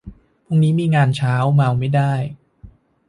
พรุ่งนี้มีงานเช้า เมาไม่ได้